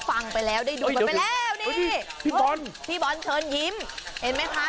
มันไปแล้วนี่พี่บอลพี่บอลเชิญยิ้มเห็นไหมคะ